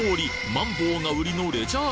マンボウが売りのレジャー